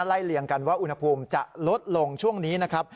เลี่ยงกันว่าอุณหภูมิจะลดลงช่วงนี้นะครับ